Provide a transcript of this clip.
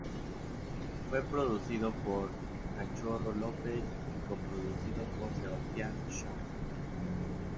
Fue producido por Cachorro López y co-producido por Sebastián Schon.